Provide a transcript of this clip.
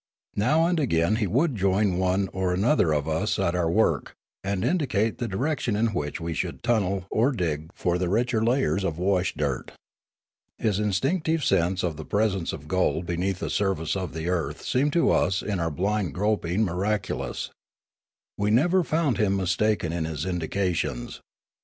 Now and again he would join one or another of us at our I !" v».* iv Preface work, and indicate the direction in which we should tunnel or dig for the richer layers of wash dirt. His instinctive sense of the presence of gold beneath the surface of the earth seemed to us in our blind groping miraculous. We never found him mistaken in his in dications.